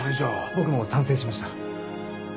僕も賛成しました。